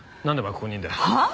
ここにいるんだよ？はあ！？